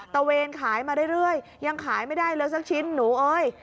เวนขายมาเรื่อยยังขายไม่ได้เลยสักชิ้นหนูเอ้ย